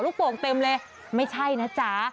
โป่งเต็มเลยไม่ใช่นะจ๊ะ